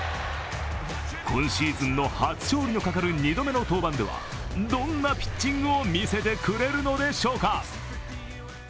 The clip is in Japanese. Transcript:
今シーズンの初勝利のかかる２度目の登板ではどんなピッチングを見せてくれるのでしょうか。